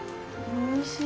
おいしい。